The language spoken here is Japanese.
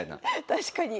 確かに。